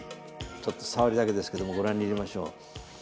ちょっとさわりだけですけどもご覧に入れましょう。